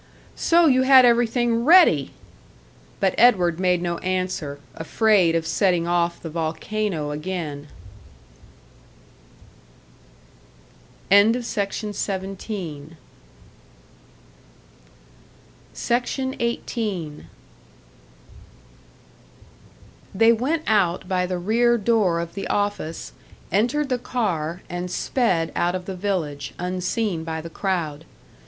"So you had everything ready!" But Edward made no answer; afraid of setting off the volcano again. SECTION 18. They went out by the rear door of the office, entered the car, and sped out of the village, unseen by the crowd.